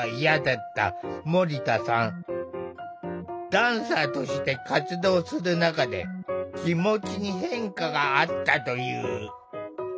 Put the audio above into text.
ダンサーとして活動する中で気持ちに変化があったという。